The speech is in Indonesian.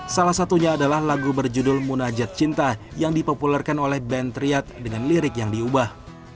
salah satunya adalah lagu berjudul munajat cinta yang dipopulerkan oleh band triat dengan lirik yang diubah